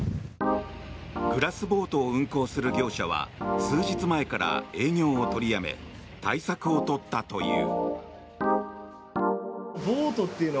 グラスボートを運航する業者は数日前から営業を取りやめ対策を取ったという。